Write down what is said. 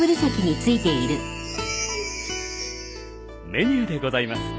メニューでございます。